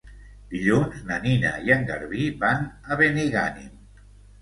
Dilluns na Nina i en Garbí van a Benigànim.